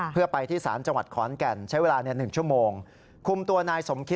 เพื่อไปที่สารจังหวัดขอร์นแก่น